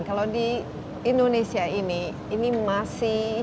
kalau di indonesia ini ini masih